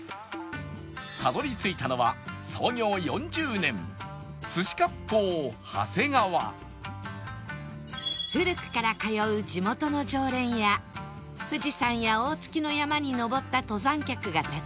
たどり着いたのは古くから通う地元の常連や富士山や大月の山に登った登山客が立ち寄るなど